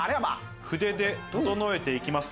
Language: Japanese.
筆で整えていきます。